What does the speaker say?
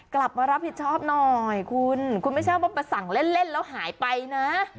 กลับมารับผิดชอบหน่อยคุณคุณไม่ใช่ว่ามาสั่งเล่นแล้วหายไปนะ